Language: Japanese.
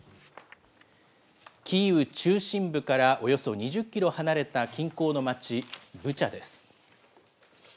キーウ中心部からおよそ２０キロ離れた近郊の町ブチャです。